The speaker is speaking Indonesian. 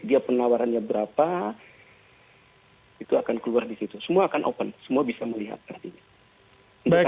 dia penawarannya berapa itu akan keluar di situ semua akan open semua bisa melihat nantinya